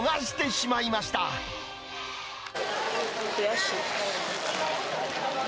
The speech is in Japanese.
悔しい。